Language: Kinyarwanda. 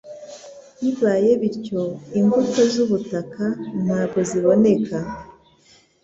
Bibaye bityo imbuto z'ubutaka ntabwo zaboneka